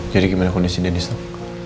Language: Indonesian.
jadi gimana kondisi dennis tuh